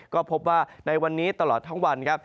ก็พบว่าในวันนี้ตลอดทั้งวันครับ